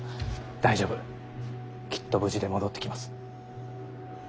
大丈夫きっと無事で戻ってきます。